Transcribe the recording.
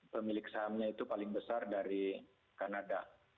pemilik sahamnya itu paling besar dari kanada